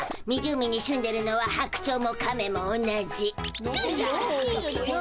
湖に住んでいるのは白鳥も亀も同じ。